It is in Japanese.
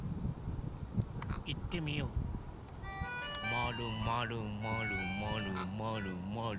まるまるまるまるまるまる。